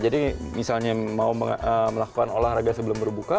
jadi misalnya mau melakukan olahraga sebelum berbuka